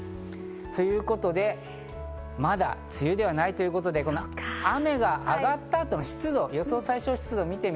ということで、まだ梅雨ではないということで、雨があがった後の湿度、予想最小湿度です。